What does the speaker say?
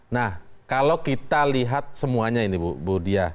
nah kalau kita lihat semuanya ini bu diah